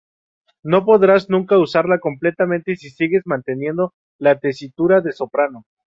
No podrás nunca usarla completamente si sigues manteniendo la tesitura de soprano".